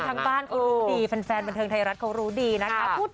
ทางบ้านเขารู้ดีแฟนบันเทิงไทยรัฐเขารู้ดีนะคะ